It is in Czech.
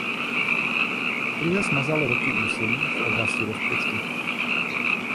Krize smazala roky úsilí v oblasti rozpočtu.